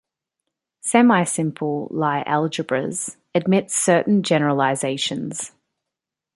Semisimple Lie algebras admit certain generalizations.